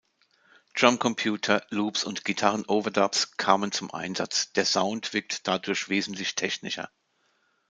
Drumcomputer, Loops und Gitarren-Overdubs kamen zum Einsatz, der Sound wirkt dadurch wesentlich technischer.